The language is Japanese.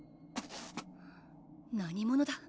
何者だ？